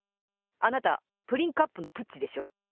あなたプリンカップのプッチでしょ？